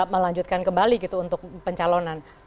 melanjutkan kembali gitu untuk pencalonan